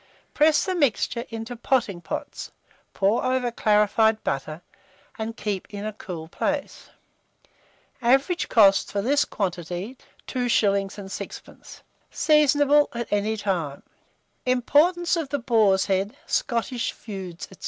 Press the mixture into potting pots, pour over clarified butter, and keep it in a cool place. Average cost for this quantity, 2s. 6d. Seasonable at any time. IMPORTANCE OF THE BOAR'S HEAD, SCOTTISH FEUDS, &c.